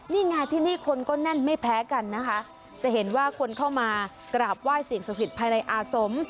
นี่ง่ายที่นี่คนก็แน่นไม่แพ้กันค่ะจะเห็นว่าคนเข้ามากราบว่ายเสียงศักดิ์ภายในอาสม